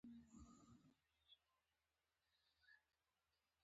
د احمد په واده کې علي ښې څڼې وغورځولې.